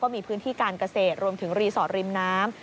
มีพื้นที่การเกษตรรวมถึงรีสอร์ทริมน้ำ